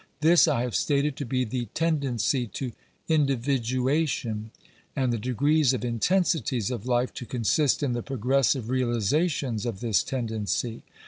This I have stated to be the tendency to individuation; and the degrees or intensities of life to consist in the progressive realizations of this tendency."